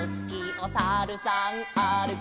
「おさるさんあるき」